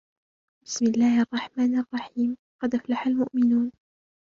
بِسْمِ اللَّهِ الرَّحْمَنِ الرَّحِيمِ قَدْ أَفْلَحَ الْمُؤْمِنُونَ